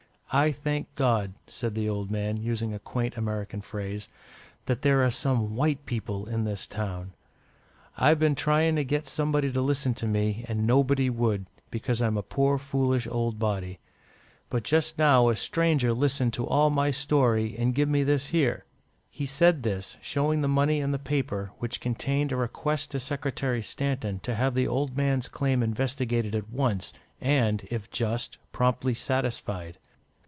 "I thank God," said the old man, using a quaint American phrase, "that there are some white people in this town. I've been tryin' to get somebody to listen to me, and nobody would, because I'm a poor foolish old body. But just now a stranger listened to all my story, and give me this here." He said this, showing the money and the paper, which contained a request to Secretary Stanton to have the old man's claim investigated at once, and, if just, promptly satisfied.